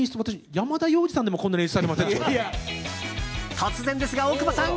突然ですが、大久保さん！